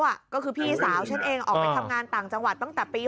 ก็คือพี่สาวฉันเองออกไปทำงานต่างจังหวัดตั้งแต่ปี๒๕